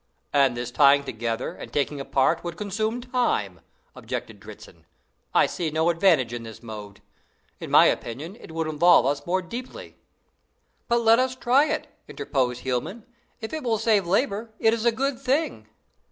"And this tying together and taking apart would consume time," objected Dritzhn. "I see no advantage in this mode; in my opinion, it would involve us more deeply." "But let us try it," interposed Hielman; "if it will save labor, it is a good thing."